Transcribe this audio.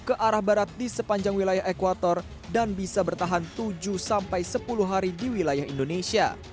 ke arah barat di sepanjang wilayah ekwator dan bisa bertahan tujuh sampai sepuluh hari di wilayah indonesia